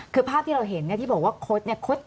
คือภาพที่เราเห็นที่บอกว่าคดเนี่ย